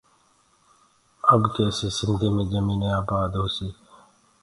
اب ڪيسي سنڌي مين جميني آبآد هوسيٚ